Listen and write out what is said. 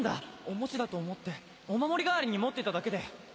おもちゃだと思ってお守り代わりに持ってただけで。